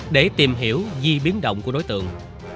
để tìm hiểu di biến động của đối tượng